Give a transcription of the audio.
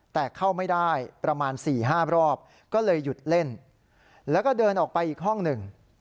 แต่เข้าไม่ได้ประมาณ๔๕รอบก็เลยหยุดเล่นแล้วก็เดินออกไปอีกห้องหนึ่ง